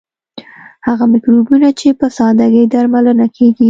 هغه مکروبونه چې په ساده ګۍ درملنه کیږي.